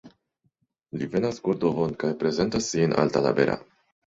Li venas Kordovon kaj prezentas sin al Talabera.